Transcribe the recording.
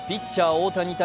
・大谷対